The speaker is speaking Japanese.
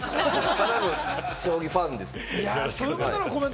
ただの将棋ファンです。